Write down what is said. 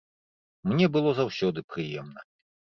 Мне было заўсёды прыемна.